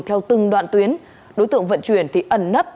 theo từng đoạn tuyến đối tượng vận chuyển thì ẩn nấp